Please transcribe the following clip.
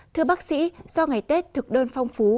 thưa bác sĩ do ngày tết thực đơn phong phú